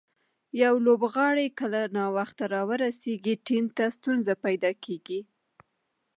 یو لوبغاړی کله ناوخته راورسېږي، ټیم ته ستونزه پېدا کیږي.